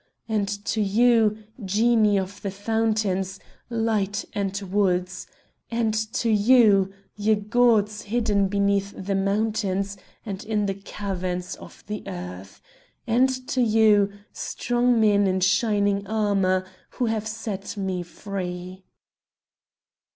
and to you, genii of the fountains, light, and woods! and to you, ye gods hidden beneath the mountains and in the caverns of the earth! and to you, strong men in shining armour who have set me free!"